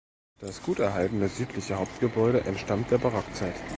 Das gut erhaltene südliche Hauptgebäude entstammt der Barockzeit.